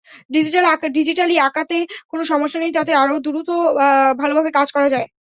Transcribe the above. Digitally আঁকাতে কোনো সমস্যা নেই, তাতে আরও দ্রুত ভালোভাবে কাজ করা যায়।